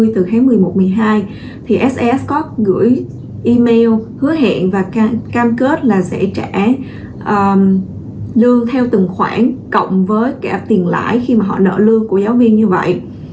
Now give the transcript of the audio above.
từ tháng một mươi một một mươi hai thì seo gửi email hứa hẹn và cam kết là sẽ lương theo từng khoản cộng với cả tiền lãi khi mà họ nợ lương của giáo viên như vậy